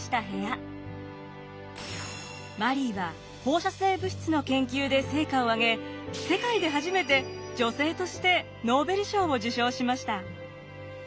マリーは放射性物質の研究で成果を上げ世界で初めて女性としてノーベル賞を受賞しました。